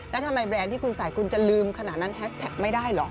แล้วทำไมแบรนด์ที่คุณใส่คุณจะลืมขนาดนั้นแฮสแท็กไม่ได้เหรอ